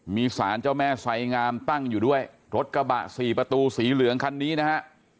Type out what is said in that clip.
มีสารเจ้าแม่ไสงามตั้งอยู่ด้วยรถกระบะสี่ประตูสีเหลืองคันนี้นะฮะ